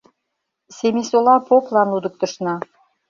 Семисола поплан лудыктышна